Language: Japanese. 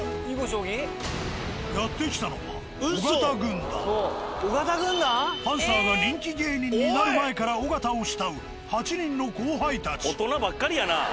やって来たのはパンサーが人気芸人になる前から尾形を慕う８人の後輩たち。